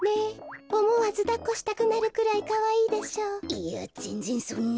いやぜんぜんそんな。